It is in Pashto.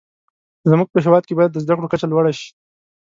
زموږ په هیواد کې باید د زده کړو کچه لوړه شې.